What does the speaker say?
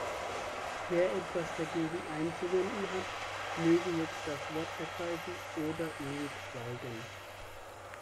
Wer etwas dagegen einzuwenden hat, möge jetzt das Wort ergreifen oder ewig schweigen.